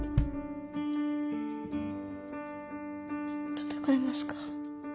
戦えますか？